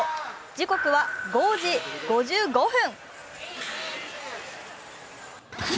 時刻は５時５５分。